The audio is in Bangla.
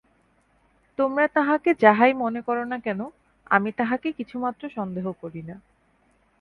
তোমরা তাঁহাকে যাহাই মনে কর-না কেন, আমি তাঁহাকে কিছুমাত্র সন্দেহ করি না।